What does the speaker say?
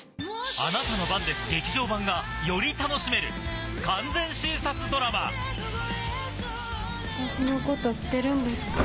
『あなたの番です劇場版』がより楽しめる完全新撮ドラマ私のこと捨てるんですか？